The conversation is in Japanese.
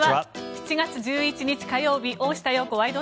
７月１１日、火曜日「大下容子ワイド！